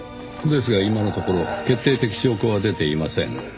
ですが今のところ決定的証拠は出ていません。